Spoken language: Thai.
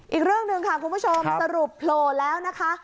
อีกเรื่องหนึ่งค่ะคุณผู้ชมสรุปโผล่แล้วนะคะ